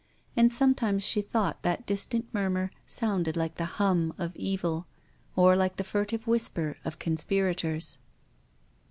And sometimes she thought that distant murmur sounded like the hum of evil, or like the furtive whisper of conspirators.